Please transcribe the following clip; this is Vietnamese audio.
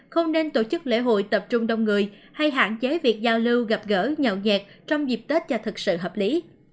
không nên tổ chức lễ hội tập trung đông người hay hạn chế việc giao lưu gặp gỡ nhậu nhẹt trong dịp tết cho thực sự hợp lý